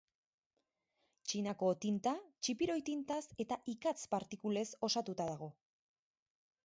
Txinako tinta txipiroi tintaz eta ikatz partikulez osatuta dago.